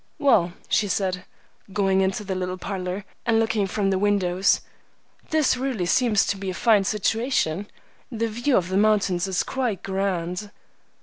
"Well," she said, going into the little parlor, and looking from the windows, "this really seems to be a fine situation. The view of the mountains is quite grand."